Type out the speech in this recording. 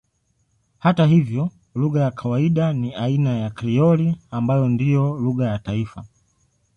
Hata hivyo lugha ya kawaida ni aina ya Krioli ambayo ndiyo lugha ya taifa.